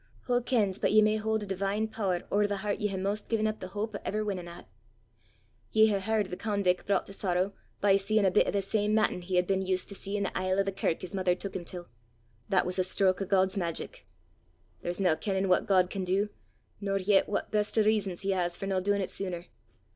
Wha kens but ye may haud a divine pooer ower the hert ye hae 'maist gi'en up the houp o' ever winnin' at! Ye hae h'ard o' the convic' broucht to sorrow by seein' a bit o' the same mattin' he had been used to see i' the aisle o' the kirk his mither tuik him til! That was a stroke o' God's magic! There's nae kennin' what God can do, nor yet what best o' rizzons he has for no doin' 't sooner!